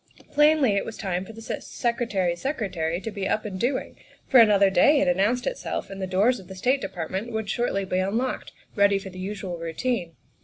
Plainly it was time for the Secretary's secretary to be up and doing, for another day had announced itself and the doors of the State Department would shortly be un THE SECRETARY OF STATE 67 locked, ready for the usual routine.